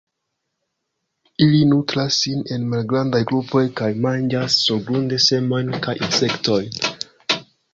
Ili nutras sin en malgrandaj grupoj, kaj manĝas surgrunde semojn kaj insektojn.